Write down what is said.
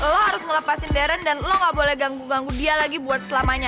lo harus melepasin deren dan lo gak boleh ganggu ganggu dia lagi buat selamanya